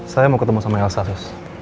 saya mau ketemu sama elsa sus